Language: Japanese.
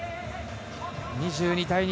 ２２対２２。